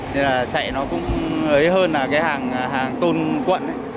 nên là chạy nó cũng ế hơn là cái hàng tôn quận